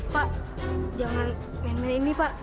pak jangan main main ini pak